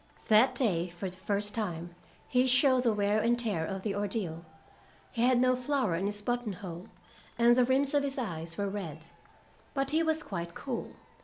That day, for the first time, he showed the wear and tear of the ordeal. He had no flower in his button hole, and the rims of his eyes were red. But he was quite cool.